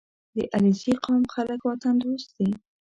• د علیزي قوم خلک وطن دوست دي.